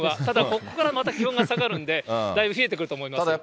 ただここからまた気温が下がるんで、だいぶ冷えてくると思います。